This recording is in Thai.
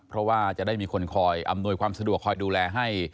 เพราะว่าจะได้มีคนคอยอำนวยความสะดวกคอยดูแลให้